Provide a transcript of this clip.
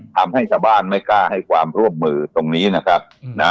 ทำให้ชาวบ้านไม่กล้าให้ความร่วมมือตรงนี้นะครับนะ